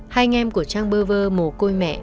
hai anh em của trang bơ vơ mồ côi mẹ